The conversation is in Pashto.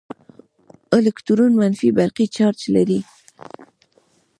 الکترون منفي برقي چارچ لري.